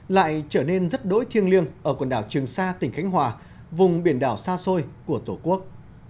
lại trở nên rất đỗi thiêng liêng ở quần đảo trường sa tỉnh khánh hòa vùng biển đảo xa xôi của tổ quốc